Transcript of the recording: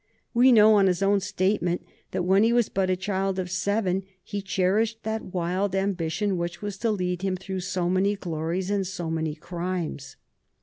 We know, on his own statement, that when he was but a child of seven he cherished that wild ambition which was to lead him through so many glories and so many crimes.